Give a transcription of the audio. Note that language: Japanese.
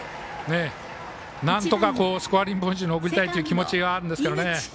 なんとかスコアリングポジションに送りたいという気持ちがあるんですけどね。